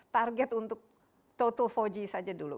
target untuk total empat g saja dulu